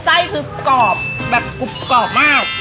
ไส้กลรบแบบกลับกลับมาก